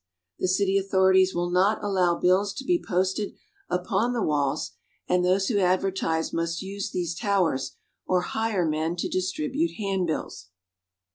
The city authorities will not allow bills to be posted upon the walls, and those who advertise must use these towers, or hire men to distribute handbills.